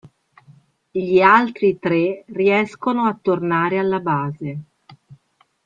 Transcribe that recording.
Gli altri tre riescono a tornare alla base.